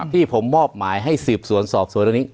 ที่ผมมอบหมายให้สืบสวนสอบสวนตรงนี้